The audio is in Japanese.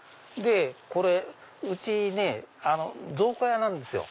うちね造花屋なんですよ。